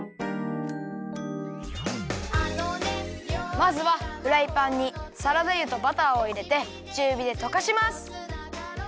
まずはフライパンにサラダ油とバターをいれてちゅうびでとかします。